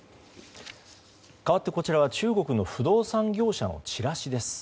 かわってこちらは中国の不動産業者のチラシです。